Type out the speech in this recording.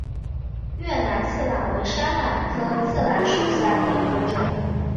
越南刺榄为山榄科刺榄属下的一个种。